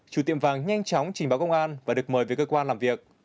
chủ tiệm vàng nhanh chóng trình báo công an và được mời về cơ quan làm việc